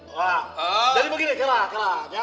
jadi begini kira kira